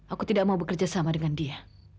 aku tidak mau bekerja sama dengan dia